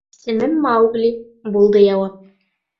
— Исемем Маугли, — булды яуап.